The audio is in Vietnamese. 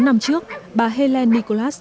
sáu năm trước bà helen nicholas